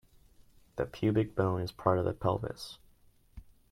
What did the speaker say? The pubic bone is part of the pelvis.